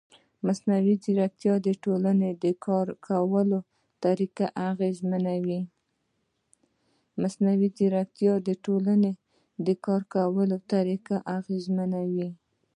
مصنوعي ځیرکتیا د ټولنې د کار کولو طریقه اغېزمنوي.